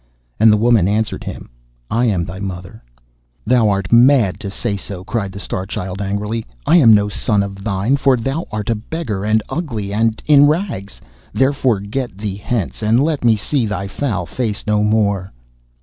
And the woman answered him, 'I am thy mother.' 'Thou art mad to say so,' cried the Star Child angrily. 'I am no son of thine, for thou art a beggar, and ugly, and in rags. Therefore get thee hence, and let me see thy foul face no more.